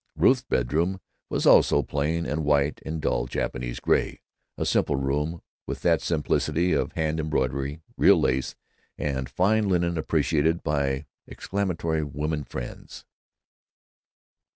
Ruth's bedroom was also plain and white and dull Japanese gray, a simple room with that simplicity of hand embroidery, real lace, and fine linen appreciated by exclamatory women friends.